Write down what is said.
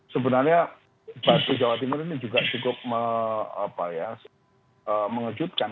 sebenarnya batu jawa timur ini juga cukup mengejutkan